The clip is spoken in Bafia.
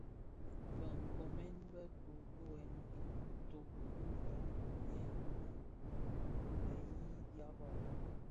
Bë nkoomèn bë tōtōghèn itoki ki bantu yè nkun, bë yii dyaba,